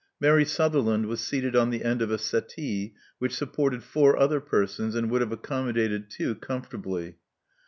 Mary Sutherland was seated on the end of a settee which supported foiu: other persons, and would have accommodated two comfortably.